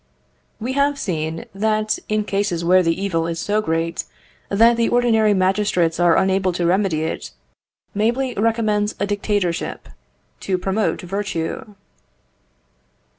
We have seen that, in cases where the evil is so great that the ordinary magistrates are unable to remedy it, Mably recommends a dictatorship, to promote virtue.